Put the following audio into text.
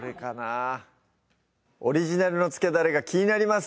オリジナルのつけだれが気になります